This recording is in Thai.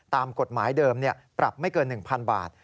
ตามกฎหมายเดิมปรับไม่เกิน๑๐๐๐บาท